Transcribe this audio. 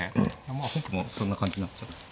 まあ本譜もそんな感じになっちゃった。